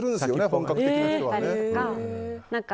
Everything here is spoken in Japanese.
本格的な人はね。